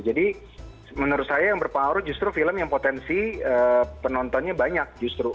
jadi menurut saya yang berpengaruh justru film yang potensi penontonnya banyak justru